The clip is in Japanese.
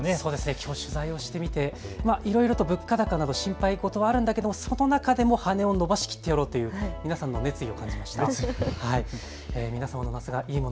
きょう取材をしてみていろいろ物価高など心配事あるんだけれどもその中でも羽を伸ばしきってやろうという皆さんの熱意を感じました。